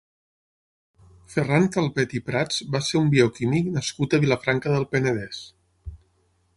Ferran Calvet i Prats va ser un bioquímic nascut a Vilafranca del Penedès.